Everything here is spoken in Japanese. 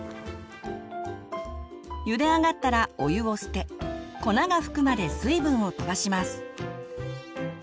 ゆであがったらお湯を捨て粉がふくまで水分を飛ばします。